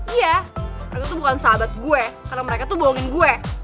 iya mereka tuh bukan sahabat gue karena mereka tuh bohongin gue